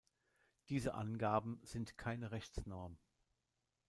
Diese Angaben sind keine Rechtsnorm.